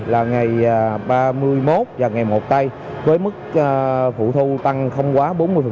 là ngày ba mươi một và ngày một tây với mức phụ thu tăng không quá bốn mươi